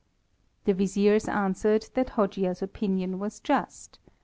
The Viziers answered that Hojia's opinion was just.